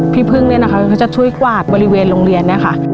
พี่พึ่งเนี่ยนะคะเขาจะช่วยกวาดบริเวณโรงเรียนเนี่ยค่ะ